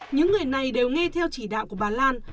những người này đều nghe theo chỉ đạo của bà lan